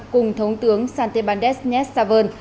cùng thống tướng santibandes nyes savan